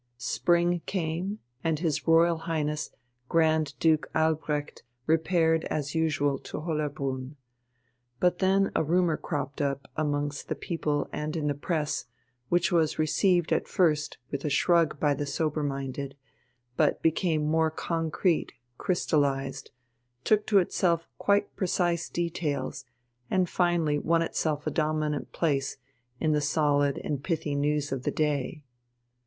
Spring came, and his Royal Highness Grand Duke Albrecht repaired as usual to Hollerbrunn. But then a rumour cropped up amongst the people and in the press, which was received at first with a shrug by the sober minded, but became more concrete, crystallized, took to itself quite precise details, and finally won itself a dominant place in the solid and pithy news of the day.